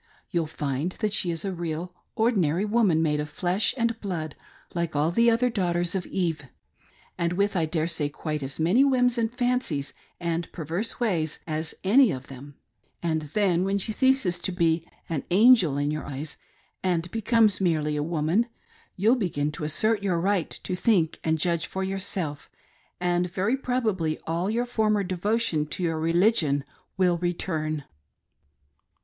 You'll find that she is a real ordinary woman, made of flesh and blood,, like all the other daughters of Eve, and with, I daresay, quite als many whims, and fancies, and perverse ways as any ot tliem ; and then, whert she ceases to be 'an angel' in your eyes,, ahd becomes merely a womaai^ you'll begin to assert your right to think and judge for yourself, and very probably all your former devotion to your religion will return."